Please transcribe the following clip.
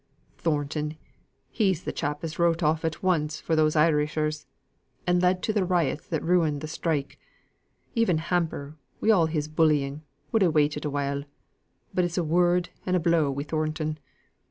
"Thornton! He's the chap as wrote off at once for these Irishers; and led to th' riot that ruined th' strike. Even Hamper wi' all his bullying, would ha' waited a while but it's a word and a blow wi' Thornton.